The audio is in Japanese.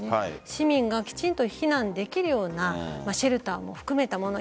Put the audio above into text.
市民がきちんと避難できるようなシェルターも含めたもの。